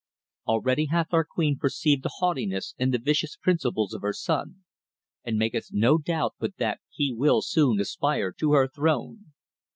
Already hath our queen perceived the haughtiness and the vicious principles of her son, and maketh no doubt but that he will soon aspire to her throne.